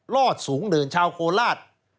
อดสูงเดินชาวโคราช